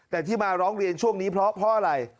แต่ที่มาร้องเรียนช่วงนี้เพราะอะไร